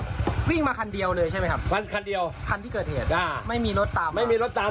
ก็วิ่งมาคันเดียวเลยใช่ไหมครับคันเดียวคันที่เกิดเหตุอ่ะไม่มีรถตามไม่มีรถตาม